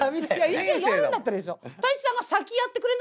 一緒にやるんならいいですよ。